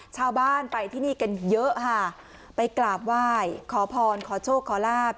ชาวบ้านไปที่นี่กันเยอะค่ะไปกราบไหว้ขอพรขอโชคขอลาบ